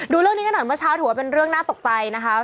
ดูเรื่องนี้กันหน่อยเมื่อเช้าถือว่าเป็นเรื่องน่าตกใจนะคะ